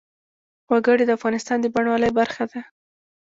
وګړي د افغانستان د بڼوالۍ برخه ده.